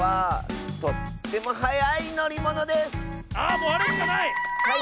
もうあれしかない！